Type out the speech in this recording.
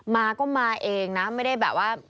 มาก็มาเองนะไม่ได้แบบว่า